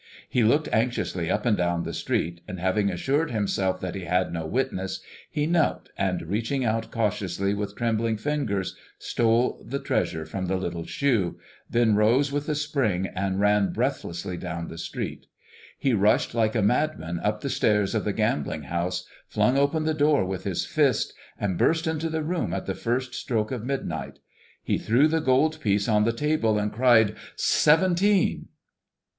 He looked anxiously up and down the street, and having assured himself that he had no witness, he knelt, and reaching out cautiously with trembling fingers, stole the treasure from the little shoe, then rose with a spring and ran breathlessly down the street. He rushed like a madman up the stairs of the gambling house, flung open the door with his fist, and burst into the room at the first stroke of midnight. He threw the gold piece on the table and cried, "Seventeen!"